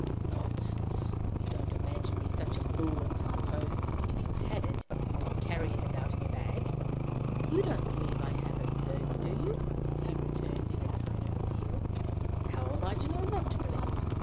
"Nonsense! You don't imagine me such a fool as to suppose, if you had it, you would carry it about in your bag!" "You don't believe I have it, sir do you?" she returned, in a tone of appeal. "How am I to know what to believe?